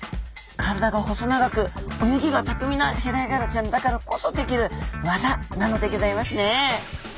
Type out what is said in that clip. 体が細長く泳ぎが巧みなヘラヤガラちゃんだからこそできる技なのでギョざいますねえ。